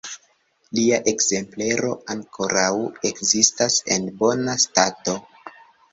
Lia ekzemplero ankoraŭ ekzistas en bona stato.